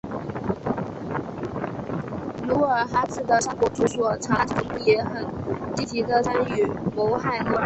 努尔哈赤的三伯祖索长阿之子龙敦也很积极地参与谋害努尔哈赤。